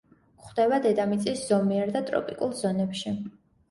გვხვდება დედამიწის ზომიერ და ტროპიკულ ზონებში.